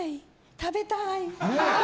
食べたい！